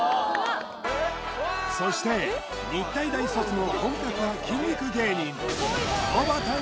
そして日体大卒の本格派筋肉芸人